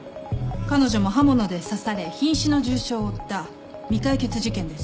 彼女も刃物で刺され瀕死の重傷を負った未解決事件です。